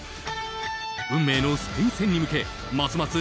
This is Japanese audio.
運命のスペイン戦に向けますます